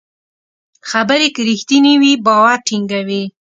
خبرې که رښتینې وي، باور ټینګوي.